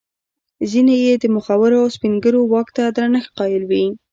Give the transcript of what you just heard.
ځیني یې د مخورو او سپین ږیرو واک ته درنښت قایل وي.